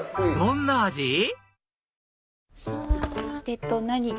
どんな味？